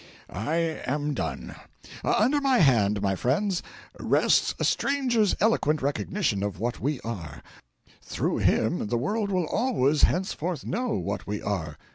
I am done. Under my hand, my friends, rests a stranger's eloquent recognition of what we are; through him the world will always henceforth know what we are.